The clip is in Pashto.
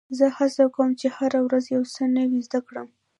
زه هڅه کوم، چي هره ورځ یو څه نوی زده کړم.